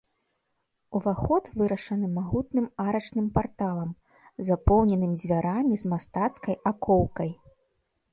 Уваход вырашаны магутным арачным парталам, запоўненым дзвярамі з мастацкай акоўкай.